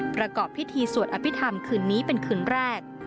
ประกอบพิธีสวดอภิษฐรรมคืนนี้เป็นคืนแรก